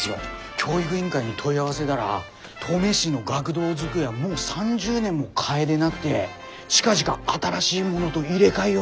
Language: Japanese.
教育委員会に問い合わせだら登米市の学童机はもう３０年も替えでなくて近々新しいものど入れ替えようどしてるらしいんです。